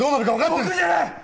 僕じゃない！